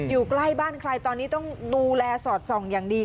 อยู่ใกล้บ้านใครตอนนี้ต้องดูแลสอดส่องอย่างดี